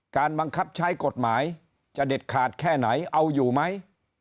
บังคับใช้กฎหมายจะเด็ดขาดแค่ไหนเอาอยู่ไหม